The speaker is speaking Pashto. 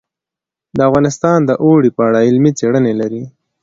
افغانستان د اوړي په اړه علمي څېړنې لري.